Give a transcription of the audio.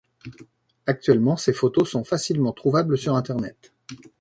Actuellement, ces photos sont facilement trouvables sur internet.